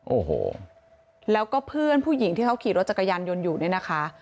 โอ้โหแล้วก็เพื่อนผู้หญิงที่เขาขี่รถจักรยานยนต์อยู่เนี่ยนะคะ